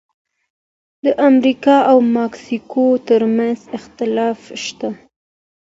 د امریکا او مکسیکو ترمنځ اختلاف شته.